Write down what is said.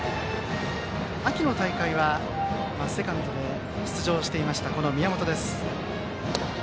秋の大会はセカンドで出場していました、宮本です。